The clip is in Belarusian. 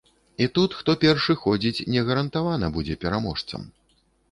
І тут хто першы ходзіць, не гарантавана будзе пераможцам.